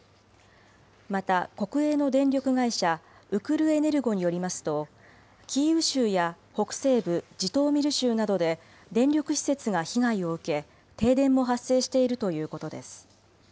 また、国営の電力会社、ウクルエネルゴによりますと、キーウ州や北西部ジトーミル州などで電力施設が被害を受け、停電も発生しているということです。